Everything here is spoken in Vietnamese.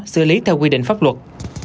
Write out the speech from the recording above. xử lý theo quy định pháp luật